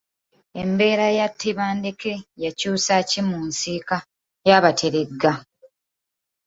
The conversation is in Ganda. Embeera ya Tebandeke yakyusa ki mu nsika y'Abateregga?